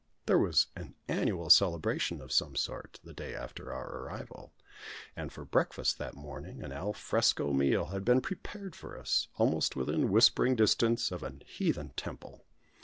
There was an annual celebration of some sort, the day after our arrival, and for breakfast that morning an al fresco meal had been prepared for us, almost within whispering distance of an heathen temple.